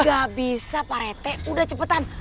nggak bisa pak rite udah cepetan